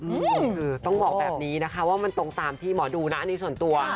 คือต้องบอกแบบนี้นะคะว่ามันตรงตามที่หมอดูนะอันนี้ส่วนตัว